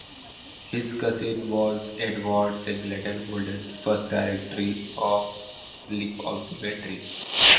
His cousin was Edward Singleton Holden, first director of Lick Observatory.